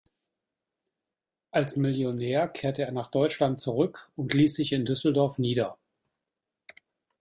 Als Millionär kehrte er nach Deutschland zurück und ließ sich in Düsseldorf nieder.